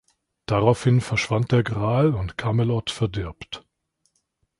Daraufhin verschwand der Gral und Camelot verdirbt.